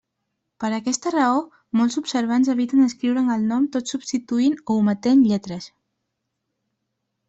Per aquesta raó, molts observants eviten escriure'n el nom tot substituint o ometent lletres.